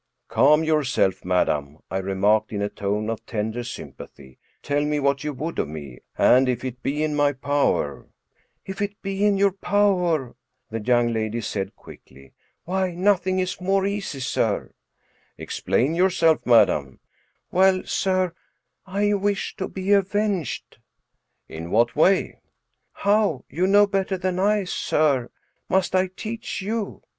" Calm yourself, madam,'* I remarked, in a tone of ten der S3rmpathy ;" tell me what you would of me, and if it be in my power "" If it be in your power 1 " the young lady said, quickly ;" why, nothing is more easy, sir/* "Explain yourself, madam/V " Well, sir, I wish to be avenged/* "In what way? " How, you know better than I, sir; must I teach you?